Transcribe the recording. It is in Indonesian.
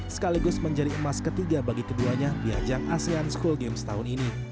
sekaligus menjadi emas ketiga bagi keduanya di ajang asean school games tahun ini